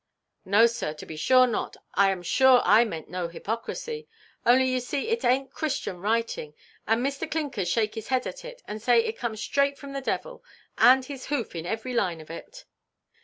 "No, sir, to be sure not. I am sure I meant no hypocrisy. Only you see it ainʼt Christian writing; and Mr. Clinkers shake his head at it, and say it come straight from the devil, and his hoof in every line of it."